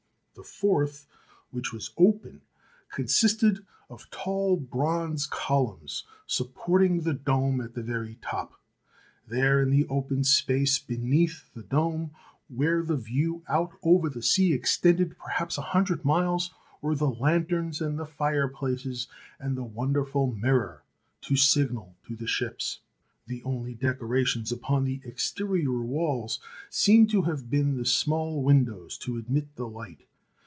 The fourth, which was open, consisted of tall bronze columns sup porting the dome at the very top. There in the open space beneath the dome, where the view out A Reconstruction of the Pharos THE PHAROS OF ALEXANDRIA 177 over the sea extended perhaps a hundred miles, were the lanterns and the fireplaces and the won derful mirror to signal to the ships. The only decorations upon the exterior walls seem to have been the small windows to admit the light.